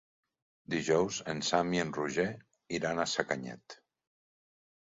Dijous en Sam i en Roger iran a Sacanyet.